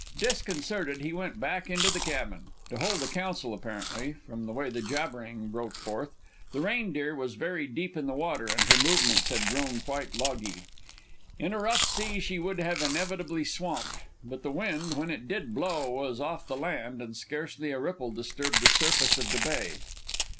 Disconcerted, he went back into the cabin, to hold a council, apparently, from the way the jabbering broke forth. The Reindeer was very deep in the water, and her movements had grown quite loggy. In a rough sea she would have inevitably swamped; but the wind, when it did blow, was off the land, and scarcely a ripple disturbed the surface of the bay.